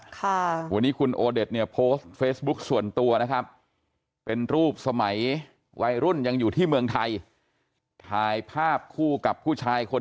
ถ้าเขาพร้อมที่จะมาสู้กับพี่จริงพี่บอกเลยว่าพี่พร้อมทุกอย่าง